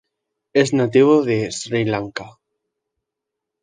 Es nativo de Sri Lanka.